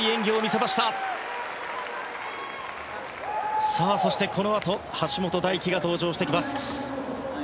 そしてこのあと橋本大輝が登場してきます。